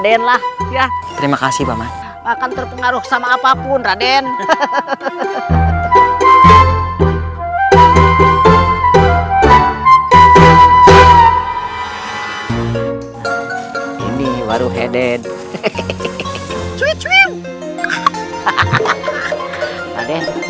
raden lah ya terima kasih bapak akan terpengaruh sama apapun raden ini baru heden cuit cuit